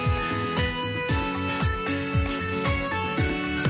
โปรดติดตามตอนต่อไป